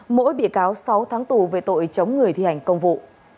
mỗi bị cáo sáu tháng tù về tội chống người thi hành công vụ